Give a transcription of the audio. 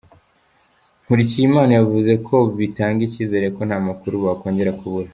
Nkurikiyimana yavuze ko bitanga icyizere ko nta makuru bakongera kubura.